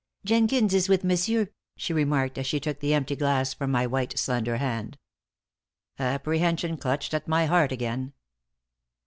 "Jenkins is with monsieur," she remarked as she took the empty glass from my white, slender hand. Apprehension clutched at my heart again.